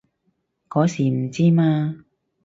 嗰時唔知嘛